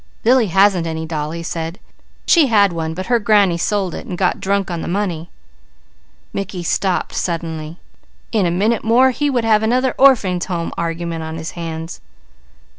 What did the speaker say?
"Lily hasn't any doll," he said. "She had one, but her granny sold it and got drunk on the money." Mickey stopped suddenly. In a minute more he would have another Orphans' Home argument on his hands.